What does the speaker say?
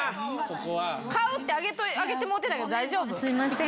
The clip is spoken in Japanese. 買うって上げてもうてたけど大丈夫？